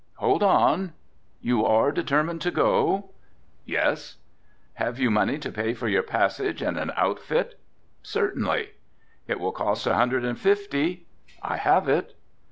"Hold on, you are determined to go?" "Yes." "Have you money to pay for your passage and an outfit?" "Certainly." "It will cost a hundred and fifty." "I have it."